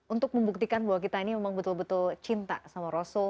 untuk membuktikan bahwa kita ini memang betul betul cinta sama rasul